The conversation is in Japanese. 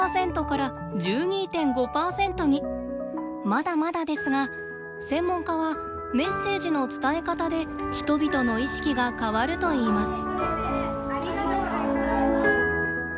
まだまだですが専門家はメッセージの伝え方で人々の意識が変わるといいます。